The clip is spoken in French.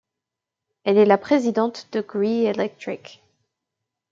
Elle est la présidente de Gree Electric.